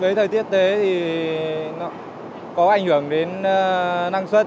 với thời tiết tế thì có ảnh hưởng đến năng suất